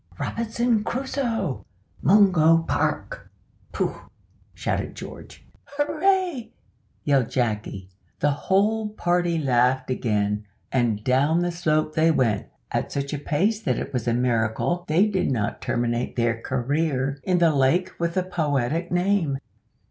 "Robinson Crusoe! Mungo Park! Pooh!" shouted George. "Hooray!" yelled Jacky. The whole party laughed again, and down the slope they went, at such a pace that it was a miracle they did not terminate their career in the lake with the poetic name.